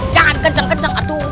jangan kenceng kenceng atu